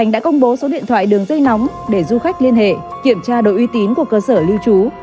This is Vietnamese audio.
đã công bố số điện thoại đường dây nóng để du khách liên hệ kiểm tra đội uy tín của cơ sở lưu trú